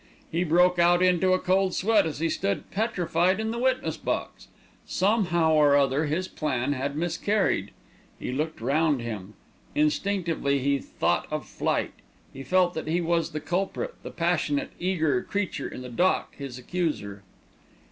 He broke out into a cold sweat as he stood petrified in the witness box. Somehow or other his plan had miscarried. He looked round him. Instinctively he thought of flight. He felt that he was the culprit, the passionate, eager creature in the dock his accuser.